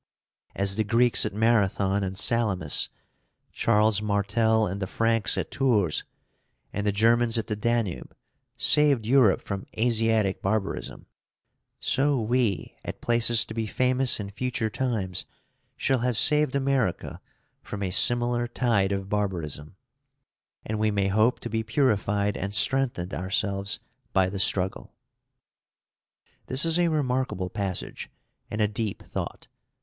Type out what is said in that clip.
As the Greeks at Marathon and Salamis, Charles Martel and the Franks at Tours, and the Germans at the Danube, saved Europe from Asiatic barbarism, so we, at places to be famous in future times, shall have saved America from a similar tide of barbarism; and we may hope to be purified and strengthened ourselves by the struggle. This is a remarkable passage and a deep thought.